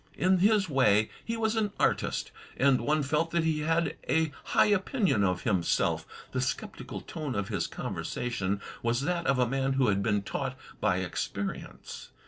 In his way, he was an artist, and one felt that he had a high opinion of himself. The sceptical tone of his conversation was that of a man who had been taught by experience.